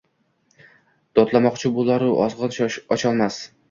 Dodlamoqchi bo’laru og’zin ocholmas